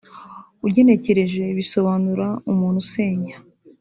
Ugenekereje bisobanura ‘umuntu usenya’